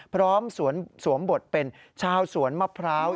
พร้อมสวมบดเป็นชาวสวนมะพร้าว